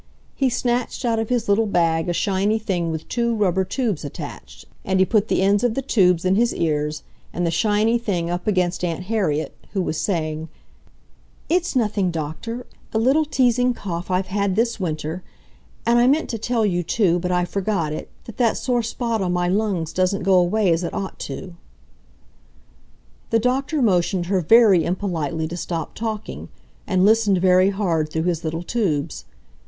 He snatched out of his little bag a shiny thing with two rubber tubes attached, and he put the ends of the tubes in his ears and the shiny thing up against Aunt Harriet, who was saying, "It's nothing, Doctor ... a little teasing cough I've had this winter. And I meant to tell you, too, but I forgot it, that that sore spot on my lungs doesn't go away as it ought to." The doctor motioned her very impolitely to stop talking, and listened very hard through his little tubes.